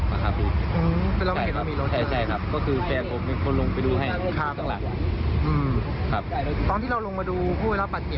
ก็ยังปกติครับพี่เพราะว่าเห็นทางซ้ายพอดี